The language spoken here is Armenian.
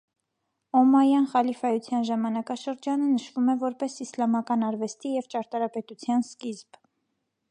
Օմայյան խալիֆայության ժամանակաշրջանը նշվում է որպես իսլամական արվեստի և ճարտարապետության սկիզբ։